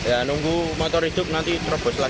ya nunggu motor hidup nanti terobos lah